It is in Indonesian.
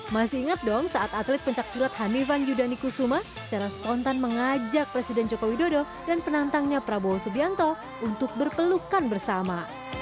masih ingat dong saat atlet pencaksilat hanifan yudani kusuma secara spontan mengajak presiden joko widodo dan penantangnya prabowo subianto untuk berpelukan bersama